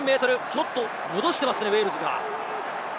ちょっと戻していますね、ウェールズが。